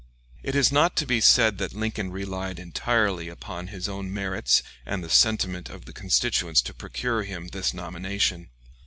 ] It is not to be said that Lincoln relied entirely upon his own merits and the sentiment of the constituents to procure him this nomination.